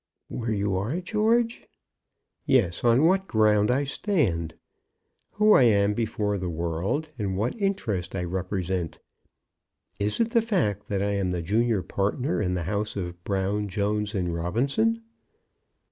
"Where you are, George?" "Yes; on what ground I stand. Who I am before the world, and what interest I represent. Is it the fact that I am the junior partner in the house of Brown, Jones, and Robinson?"